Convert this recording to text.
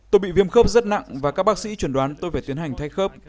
tôi bị viêm khớp rất nặng và các bác sĩ chuẩn đoán tôi phải tiến hành thay khớp